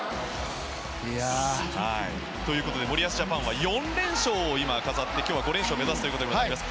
ということで森保ジャパンは４連勝を飾って今日は５連勝を目指しています。